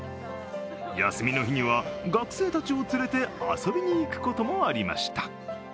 休みの日には、学生たちを連れて遊びにいくこともありました。